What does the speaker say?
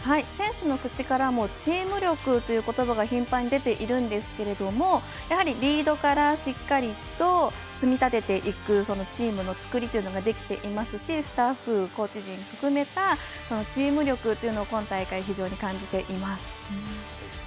選手の口からもチーム力ということばが頻繁に出ているんですがやはりリードからしっかりと積み立てていくチームの作りというのができていますしスタッフ、コーチ陣含めたチーム力というのを今大会、非常に感じています。